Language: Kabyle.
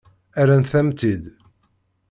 Rrant-am-tt-id.